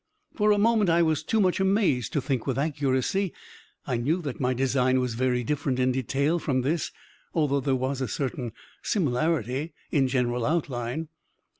For a moment I was too much amazed to think with accuracy. I knew that my design was very different in detail from this although there was a certain similarity in general outline.